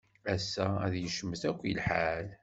Ass-a yecmet akk lḥal.